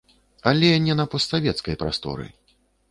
Але не на постсавецкай прасторы.